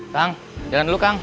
kang jalan dulu kang